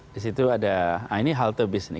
di situ ada ini halte bis nih